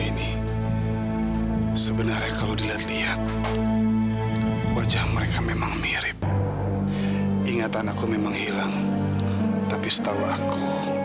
ini sebenarnya kalau dilihat lihat wajah mereka memang mirip ingatan aku memang hilang tapi setahu aku